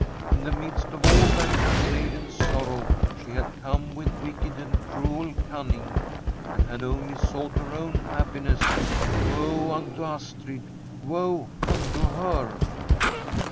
In the midst of all that young maiden's sorrow she had come with wicked and cruel cun from a SWEDISH HOMESTEAD ning, and had only sought her own happiness. Woe unto Astrid 1 woe unto her